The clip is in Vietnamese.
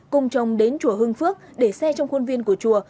cùng chồng đến chùa hương phước để xe trong khuôn viên của chùa